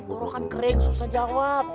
orang kan kering susah jawab